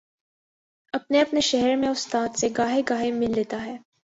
اپنے اپنے شہر میں استاد سے گاہے گاہے مل لیتا ہے۔